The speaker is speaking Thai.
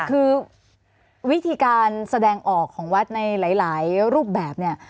คือวิธีการแสดงออกของวัดในหลายรูปแบบเนี่ย